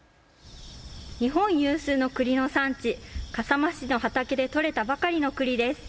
日本有数のくりの産地、笠間市の畑で取れたばかりのくりです。